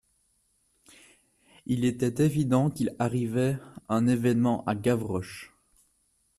Il était évident qu'il arrivait un événement à Gavroche.